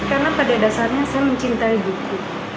karena pada dasarnya saya mencintai buku